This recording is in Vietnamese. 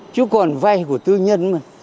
chứ còn vay của tư nhân